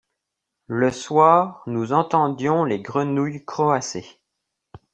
le soir nous entendions les grenouilles croasser.